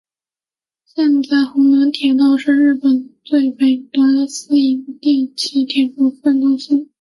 现在弘南铁道是日本最北端的私营电气铁路公司。